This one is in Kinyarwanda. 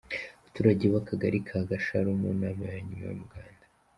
Abaturage b'Akagali ka Gasharu mu nama ya nyuma y'umuganda.